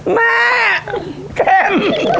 แม่เค็ม